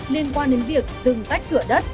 liên quan đến việc dừng tách cửa đất